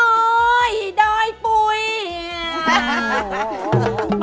อะไรมั้ยครับ